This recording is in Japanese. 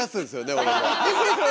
俺も。